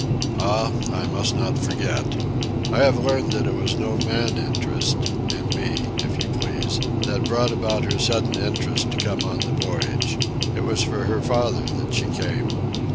Ah, I must not forget. I have learned that it was no man interest (in me, if you please) that brought about her sudden interest to come on the voyage. It was for her father that she came.